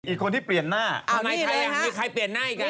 อีกคนที่เปลี่ยนหน้าทำไมใครยังมีใครเปลี่ยนหน้าอีกอ่ะ